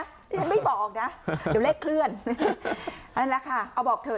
ที่ฉันไม่บอกนะเดี๋ยวเลขเคลื่อนนั่นแหละค่ะเอาบอกเถอ